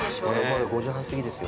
まだ５時半すぎですよ。